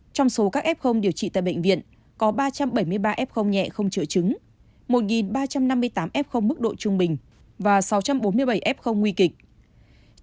trong số các f điều trị tại bệnh viện có ba trăm bảy mươi ba f nhẹ không triệu chứng một ba trăm năm mươi tám f mức độ trung bình và sáu trăm bốn mươi bảy f nguy kịch